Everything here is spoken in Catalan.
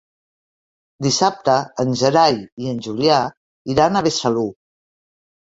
Dissabte en Gerai i en Julià iran a Besalú.